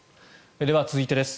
では、続いてです。